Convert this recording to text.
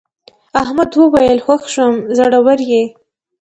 احمد وویل خوښ شوم زړور یې.